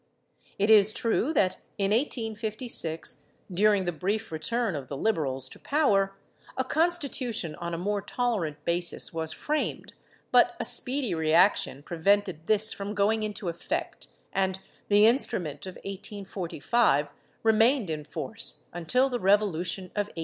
It is true that in 1856, during the brief return of the Liberals to power, a Constitu tion on a more tolerant basis was framed, but a speedy reaction prevented this from going into effect, and the instrument of 1845 remained in force until the revolution of 1868.